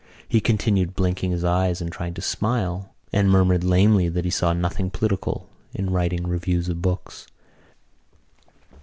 He continued blinking his eyes and trying to smile and murmured lamely that he saw nothing political in writing reviews of books.